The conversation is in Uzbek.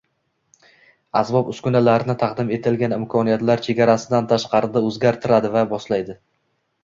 Asbob-uskunalarini taqdim etilgan imkoniyatlar chegarasidan tashqarida o’zgartiradi va moslaydi